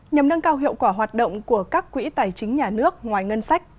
nhằm nâng cao hiệu quả hoạt động của các quỹ tài chính nhà nước ngoài ngân sách